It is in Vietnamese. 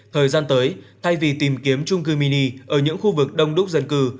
thời gian tới thay vì tìm kiếm trung cư mini ở những khu vực đông đúc dân cư